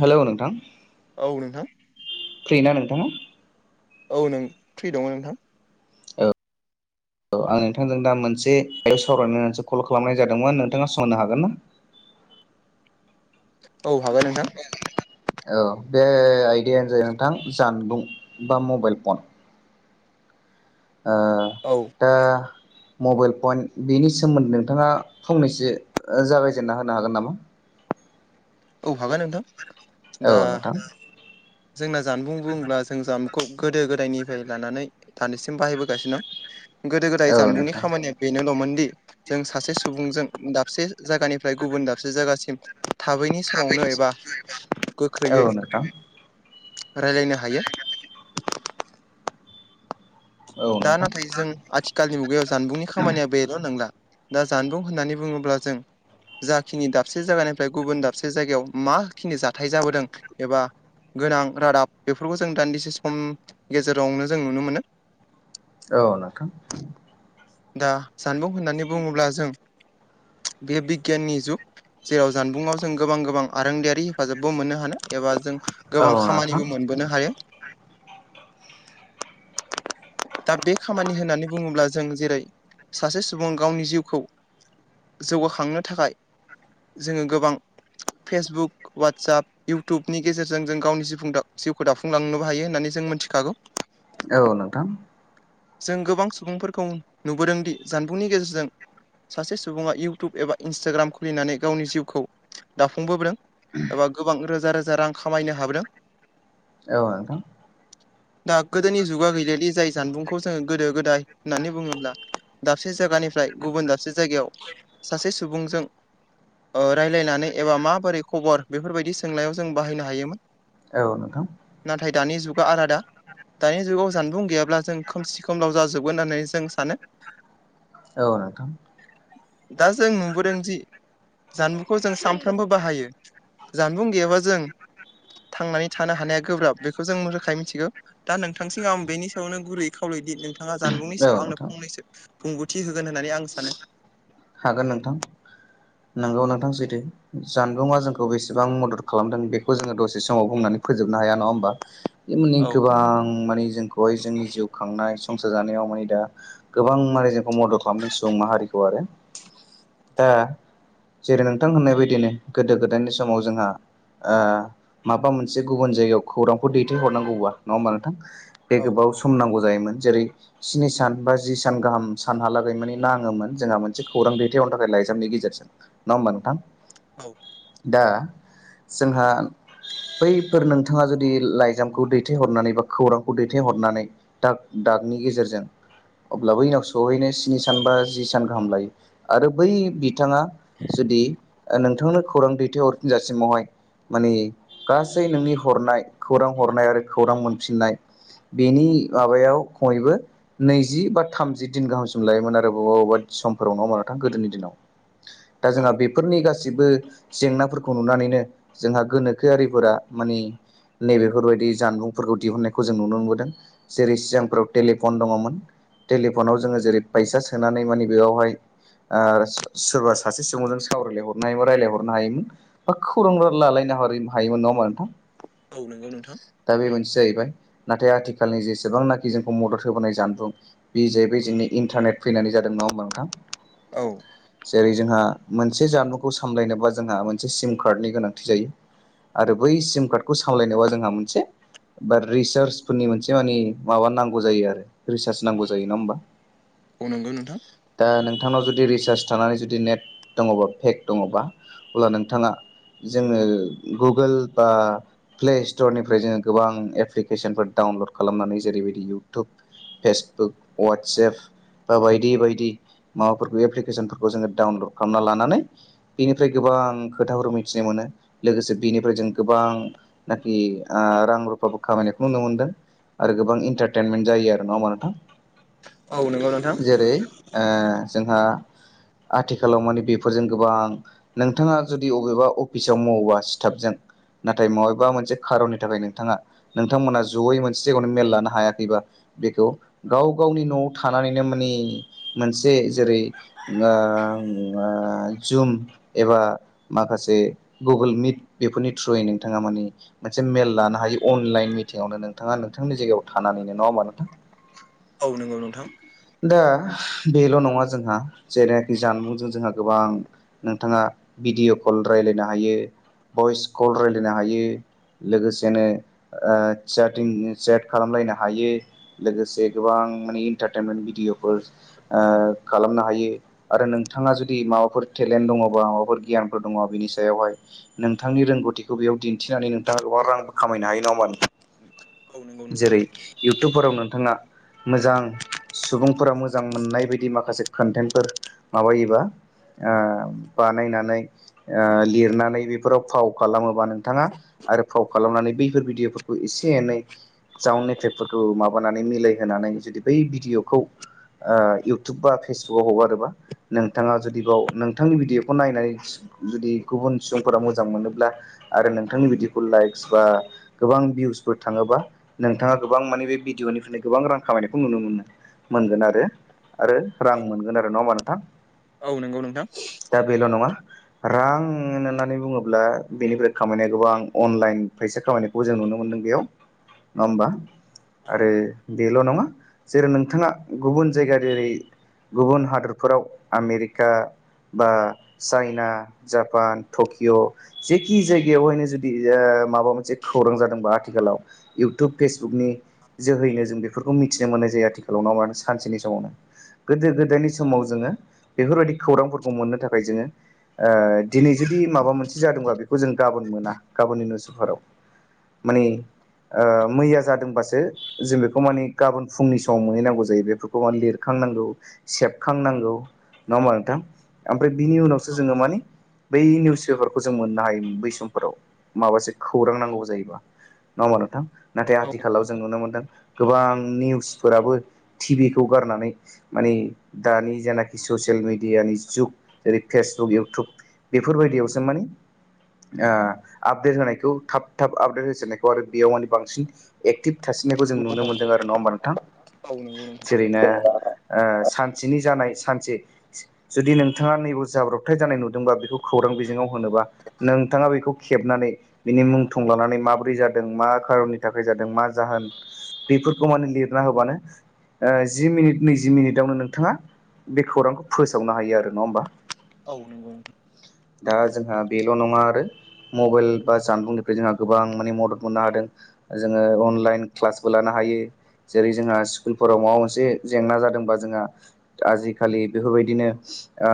हेल' नोंथां। औ नोंथां। फ्रि ना नोंथाङा? औ नों फ्रि दङ' नोंथां। औ आं नोंथांजों दा मोनसे [unintelligible] सावरायनो होननासो कल खालामनाय जादोंमोन। नोंथाङा सम होनो हागोन ना? औ हागोन नोंथां। औ बे आइदायानो जायो नोंथां जानबुं बा मबाइल फन। ओ औ। दा मबाइल पन बेनि सोमोन्दै नोंथाङा फंनैसो जागायजेनना होनो हागोन नामा? औ हागोन नोंथां। दा औ नोंथां। जोंना जानबुं बुङोब्ला जों जानबुंखौ गोदो गोदायनिफ्राय लानानै दानिसिम बाहायबोगासिनो दं। गोदो गोदाय औ जानबुंनि नोंथां खामानिया बेनोल'मोन दि जों सासे सुबुंजों दाबसे जायगानिफ्राय गुबुन दाबसे जायगासिम थाबैनि समावनो एबा औ गोख्रैयै नोंथां रायलायनो हायो। औ दा नोंथां नाथाय जों आथि खालनि मुगायाव जानबुंनि खामानिया बेल' नंला। दा जानबुं होननानै बुङोब्ला जों जाखिनि दाबसे जायगानिफ्राय गुबुन दाबसे जायगायाव माखिनि जाथाय जाबोदों एबा गोनां रादाब बेफोरखौ जों दान्दिसे सम गेजेरावनो जों नुनो मोनो। औ नोंथां। दा जानबुं होननानै बुङोब्ला जों बेयो बिगियाननि जुग। जेराव जानबुआव जों गोबां गोबां आरोंदायारि हेफाजाबबो मोननो हानो एबा जों औ नोंथां गोबां औ नोंथां खामानिबो मोनबोनो हायो। दा बे खामानि होननानै बुङोब्ला जों जेरै सासे सुबुं गावनि जिउखौ जौगाखांनो थाखाय जोङो गोबां फेसबुक अवाट्साप इउटुबनि गेजेरजों जों गावनि जिफुं जिउखौ दाफुंलांनोबो हायो होन्नानै जों मोनथिखागौ। औ नोंथां। जों गोबां सुबुंफोरखौ नुबोदोंदि जानबुंनि गेजेरजों सासे सुबुङा इउटुब एबा इन्स्टाग्राम खुलिनानै गावनि जिउखौ दाफुंबोदों। एबा गोबां रोजा रोजा रां खामायनो हाबोदों। औ। नोंथां दा गोदोनि जुगा गैलियादि जाय जानबुंखौ जों गोदो गोदाय होननानै बुङोब्ला दाबसे जायगानिफ्राय गुबुन दाबसे जायगायाव सासे सुबुंजों ओ रायलायनानै एबा माबोरै खबर बेफोरबायदि सोंनायाव जों बाहायनो हायोमोन। औ नोंथां नाथाय दानि जुगा आलादा दानि जुगाव जानबुं गैयाब्ला जों खोमसि खोमलाव जाजोबगोन होननानै जों सानो औ नोंथां दा जों नुबोदों जि जानबुंखौ जों सानफ्रामबो बाहायो जानबुं गैयाब्ला जों। थांनानै थानो हानाया गोब्राब बेखौ जों रोखायै मिथिगौ दा नोंथांसिम आं बेनि सायावनो गुरै खावलायोदि नोंथाङा जानबुंनि औ सायाव आंनो नोंथां फंनैसो बुंगौथि होगोन होननानै आं सानो हागोन नोंथां नोंगौ नोंथां सैदो जानबुंआ जोंखौ बेसेबां मदद खालामदों बेखौ जोङो दसे समाव बुंनानै फोजोबनो हाया नङा होमबा बे मोनै औ गोबां माने जोंखौ बेवहाय जोंनि जिउ खांनाय संसार जानायाव माने दा गोबां माने जोंखौ मदद खालामदों सुबुं माहारिखौ आरो दा जेरै नोंथां होननाय बायदिनो गोदो गोदायनि समाव जोंहा। माबा मोनसे गुबुन जायगायाव खौरांखौ दैथायहरनांगौबा नङा होमबा नोंथां औ एबाव सम सम नांगौ जायोमोन जेरै स्नि सान बा जि सान गाहाम सानहालागै माने नाङोमोन जोंहा मोन मोनसे खौरां दैथायहनो थाखाय लाइजामनि गेजेरजों नङा होमबा नोंथां औ दा जोंहा बैफोर नोंथाङा जुदि लाइजामखौ दैथायहरनानै बा खौरांखौ दैथायहरनानै दाग दागनि गेजेरजों अब्लाबो इनाव सहैनो स्नि सान बा जि सान गाहाम लायो आरो बै बिथाङा जुदि ओ नोंथांनो खौरां दैथायहरफिन जासिमावहाय माने गासै नोंनि हरनाय खौरां हरनाय आरो खौरां मोनफिननाय बेनि माबायाव खमैबो नैजि बा थामजि दिन गाहामसिम लायोमोन आरो बबा बबा सम ङाव मोनो थां गोदोनि दिनाव दा औ जोंहा बेफोरनि गासैबो गाससिबो जेंनाफोरखौ नुनानैनो जोंहा गोनोखोआरिफोरा माने नैबेफोरबायदि जानबुंफोरखौ दिहुननायखौ जों नुनो मोनबोदों जेरै सिगांफोराव टेलिफन दङमोन टेलिफनाव जोङो जेरै फैसा सोनानै मानिे बेयावहाय ओ सोरबा सासे सुबुंजों सावरायलायहरनो हायोमोन रायलायहरनो हायोमोन बा खौरां बो लालायना हरो हायोमोन नङा हामबा नोंथां औ नोंगौ नोंथां। दा बे मोनसे जाहैबाय नाथाय आथिखालनि जेसेबांनाखि जोंखौ मदद होबोनाय जानबुं बे जाहैबाय जोंनि इन्टारनेट फैनानै जादों नङा होमबा नोंथां औ जेरै जोंहा मोनसे जामुंखौ सामलायनोबा जोंहा मोनसे सिम कार्डनि गोनांथि जायो आरो बै सिम कार्डखौ सामलायनायावा जोंहा मोनसे। बा रिसार्चफोरनि मोनसे मानि माबा नांगौ जायो आरो रिसार्च नांगौ जायो ना होमबा औ नंगौ नोंथां दा आ नोंथांनाव जुदि रिसार्ज थानानै जुदि नेट दङबा पेक दङबा अब्ला नोंथाङा। जोङो गुगोल बा प्लेस्टरनिफ्राय जोङो गोबां एप्लिकेसनफोर डाउनलड खालामनानै जेरैबायदि इउटुब फेसबुक वाट्सेएप बा बायदि बायदि। माबाफोरखौ एप्लिकेसनफोरखौ जोङो डाउनलड खालामना लानानै बिनिफ्राय गोबां खोथाफोर मिथिनो मोनो लोगोसे बेनिफ्राय जों गोबां नखि रां रुफाबो खामानिखौ नुनो मोनदों आरो गोबां इन्टारटेनमेन्ट जायो आरो नङा होमबा नोंथां? औ नंगौ नोंथां जेरै ओ जोंहा आथिखालाव माने बेफोरजों गोबां नोंथाङा जुदि अबेबा अफिसाव मावोबा स्टाफजों नाथाय मबेबा मोनसे खारननि थाखाय नोंथाङा नोंथां मोना जयै मोनसे जायगायावनो मेल लानो हायाखैबा बेखौ गाव गावनि न'आव थानानैनो माने मोनसे जेरै ओ ओ जुम एबा माखासे गुगोल मिट बेफोरनि थ्रुयै नोंथाङा माने मोनसे मेल लानो हायो अनलाइन मिटिंआवनो नोंथाङा नोंथांनि जायगायाव थानानैनो नङा होमबा नोंथां? औ नंगौ नोंथां। दा बेल' नङा जोंहा जेरै जानबुंजों जोंहा गोबां नोंथाङा भिडिअ' कल रायलायनो हायो भइस कल रायलायनो हायो। लोगोसेनो ओ चाटिं सेट खालामलायनो हायो। लोगोसे गोबां माने इन्टारटेनमेन्ट भिडिअ'फोर ओ खालामनो हायो। आरो नोंथाङा जुदि माबाफोर टेलेन्ट दङ'बा माबाफोर गियानफोर दङ' बिनि सायावहाय नोंथांनि रोंगौथिखौ बेयाव दिन्थिनानै नोंथाङा गोबां रां खामायनो हायो नङा होमबा औ नंगौ नों नोंथां जेरै इउटुबफोराव नोंथाङा मोजां सुबुंफोरा मोजां मोननाय बायदि माखासे कन्टेनफोर माबायोबा ओ बानायनानै ओ लिरनानै बेफोराव फाव खालामोबा नोंथाङा आरो फाव खालामनानै बैफोर भिडिअ'फोरखौ एसे एनै साउन्ड एफेक्टफोरखौ माबानानै मिलायहोनानै जुदि बै भिडिअ'खौ ओ इउटुब बा फेसबुकआव हगारोबा नोंथाङा जुदि बाव नोंथांनि भिडिअ'खौ नायनायस जुदि गुबुन सुबुंफोरा मोजां मोनोब्ला आरो नोंथांनि बिदिखौ लाइक्स बा गोबां भिउसफोर थाङोबा नोंथाङा गोबां माने बे भिडिअ'निफ्राय गोबां रां खामायनायखौ नुनो मोनो। मोनगोन आरो आरो रां मोनगोन आरो नङा होमबा नोंथां? औ नंगौ नोंथां। दा बेल' नङा रां होननानै बुङोब्ला बेनिफ्राय खामायनाया गोबां अनलाइन फैसा खामायनाय खौ जों नुनो मोनदों बेयाव नङा होमबा? औ आरो बेल' नङा जेरै नोंथाङा गुबुन जायगा जेरै गुबुन हादोरफोराव आमेरिका बा चाइना, जापान, टकिय' जेखि जायगायावहायनो जुदि ओ माबा मोनसे खौरां जादोंबा आथिखालाव इउटुब फेसबुकनि जोहैनो जों बेफोरखौ मिथिनो मोननाय जायो आथिखालाव ना माहोनो सानसेनि समावनो। गोदो गोदायनि समाव जोङो बेफोरबायदि खौरांफोरखौ मोननो थाखाय जोङो ओ दिनै जुदि माबा मोनसे जादोंबा बेखौ जों गाबोन मोना गाबोननि निउज फेफाराव। माने ओ मैया जादोंबासो जों बेखौ माने गाबोन फुंनि समाव मोनहैनांगौ ज जायो बेफोरखौ माने लिरखांनांगौ सेबखांनांगौ नङा होमबा नोंथां? ओमफ्राय बिनि उनावसो जोङो माने बै निउस पेपारखौ जों मोननो हायो बै समफोराव माबासो खौरां नांगौ जायोबा। नङा होमबा नोंथां नाथाय औ आथिखालाव जों नुनो मोनदों गोबां निउसफोराबो टिभिखौ गारनानै माने दानि जेनाखि ससियेल मिडियानि जुग जेरै फेसबुक, इउटुब बेफोरबायदियावसो माने ओ आपडेट होनायखौ थाब थाब आपडेट होजेननायखौ आरो बेयाव माने बांसिन एक्टिभ थासिननायखौ जों नुनो मोनदों आरो नङा होमबा नोंथां? औ नो जेरैनो ओ सानसेनि जानाय सानसे जुदि नोंथाङा नैबाव जाब्रबथाय जानाय नुदोंबा बेखौ खौरां बिजोङाव होनोबा नोंथाङा बेखौ खेबनानै बिनि मुं थं लानानै माब्रै जादों मा कारननि थाखाय जादों मा जाहोन बेफोरखौ माने लिरना होबानो ओ जि मिनिट नैजि मिनिटावनो नोंथाङा बे खौरांखौ फोसावनो हायो आरो नङा होमबा गावनिमोन दा जोंहा बेल' नङा आरो मबाइल बा जानबुंनिफ्राय जोंहा गोबां माने मदद मोननो हादों जोङो अनलाइन क्लासबो लानो हायो जेरै जोंहा फोराव माबा मोनसे जेंना जादोंबा जोंहा आजिखालि बेफोरबायदिनो ओ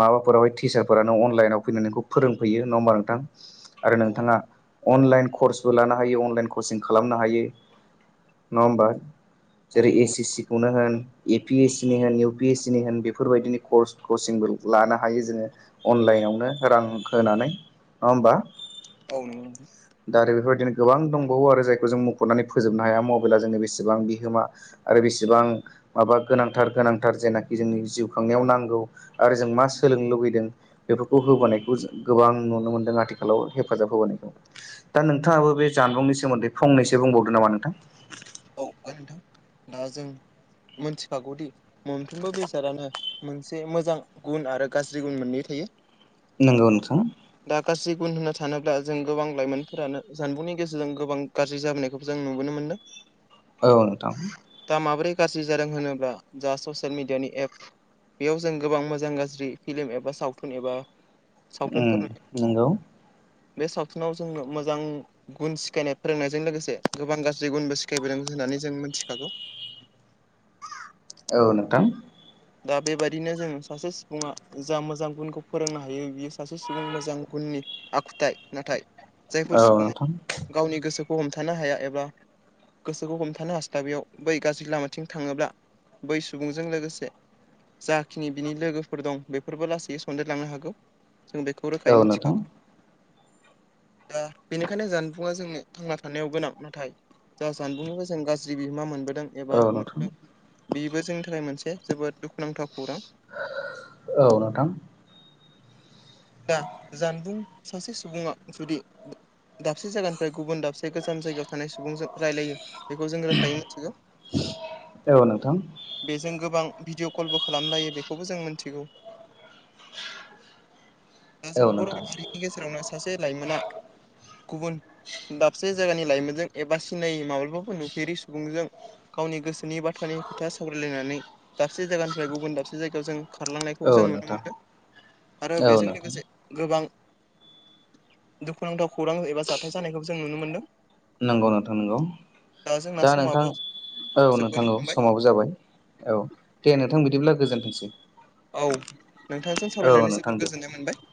माबाफोरावाय टिचारफोरानो अनलाइनाव फैनानै नोंखौ फोरोंफैयो नङा होमबा नोंथां आरो औ नोंथाङा अनलाइन कर्सबो लानो हायो अनलाइन कचिं खालामनो हायो नङा होमबा औ जेरै नंगौ एस सि सि खौनो होन ए पि एस सि नि होन इउ पि एस सि नि होन बेफोरबायदिनि कर्स कचिंबो लानो हायो जोङो अनलाइनावनो रां होनानै नङा होमबा औ नंगौ दा आरो बेफोरबायदिनो गोबां दंबावो आरो जायखौ जों मुख'नानै फोजोबनो हाया मबाइला जोंनि बेसेबां बिहोमा आरो बेसेबां माबा गोनांथार गोनांथार जेनाखि जोंनि जिउ खांनायाव नांगौ आरो जों मा सोलोंनो लुुबैदों बेफोरखौ होबोनायखौ गोबां नुनो मोनदों आथिखालाव हेफाजाब होबोनायखौ दा नोंथाङाबो बे जानबुंनि सोमोन्दै फंनैसो बुंबावदो नामा नोंथां दा नोंथां दा जों मोनथिखागौदि मोनफ्रोमबो बेसादानो मोनसे मोजां गुन आरो गाज्रि गुन मोननै थायो नोंगौ नोंथां दा गाज्रि गुन होननो सानोब्ला जों गोबां लाइमोनफोरानो जानबुंनि गेजेरजों गोबां गाज्रि जाबोनायखौबो जों नुबोनो मोनदों औ नोंथां दा माबोरै गाज्रि जादों होनोब्ला जा ससियेल मिडियानि एप बेयाव जों गोबां मोजां गाज्रि फिल्म एबा सावथुन एबा सावथुनफोरनो नंगौ बे सावथुनाव जोंनो मोजां गुन सिखायनाय फोरोंनायजों लोगोसे गोबां गाज्रि गुनबो सिखायबोदों होननानै जों मिनथिखागौ औ नोंथां दा बेबायदिनो जों सासे सुबुङा जा मोजां गुनखौ फोरोंनो हायो बियो सासे सुबुं मोजां गुननि आखुथाय नाथाय औ जायफोर सुबुङा नोंथां गावनि गोसोखौ हमथानो हाया एबा गोसोखौ हमथानो हास्लाबियाव बै गाज्रि लामाथिं थाङोब्ला बै सुबुंजों लोगोसे जाखिनि बिनि लोगोफोर दं बेफोरबो लासैयै सनदेरलांनो हागौ जों बेखौ औ रोखायै नोंथां मिथिखागौ [inaudible] दा बेनिखायनो जानबुङा जोंनो थांना थानायाव गोनां नाथाय जा सानबुंनिबो जों गाज्रि बिहोमा मोनबोदों औ एबा नोंथां नुबोदों बेबो जोंनि थाखाय मोनसे जोबोद दुखुनांथाव खौरां औ नोंथां दा जानबुं सासे सुबुङा जुदि दाबसे जायगानिफ्राय गुबुन दाबसे गोजाम जायगायाव थानाय सुबुंजों रायलायो बेखौ जों रोखायै मिथिगौ औ नोंथां बेजों गोबां भिडिअ' कलबो खालामलायो बेखौबो जों मिथिगौ दा जों औ बर' नोंथां माहारिनि गेजेरावनो सासे लाइमोना गुबुन दाबसे जायगानि लाइमोनजों एबा सिनायै माब्लाबाबो नुफेरि सुबुंजों गावनि गोसोनि बाथ्रानि खोथा सावरायलायनानै दाबसे जायगानिफ्राय गुबुन दाबसे जायगायाव जों खारलांनायखौबो जों औ नुनो नोंथां मोनदों आरो औ बेजों नोंथां लोगोसे गोबां दुखुनांथाव खौरां एबा जाथाय जानायखौ जों नुनो मोनदों नंगौ नोंथां नंगौ जोंना दा नोंथां समाबो औ नोंथां जोबबोनो औ हमबाय समाबो जाबाय औ दे नोंथां बिदिब्ला गोजोनथोंसै औ नोंथांजों औ सावरायनानै नोंथां जोबोर दे गोजोननाय मोनबाय